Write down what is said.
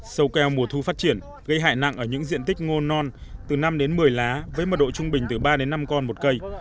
sâu keo mùa thu phát triển gây hại nặng ở những diện tích ngô non từ năm đến một mươi lá với mật độ trung bình từ ba đến năm con một cây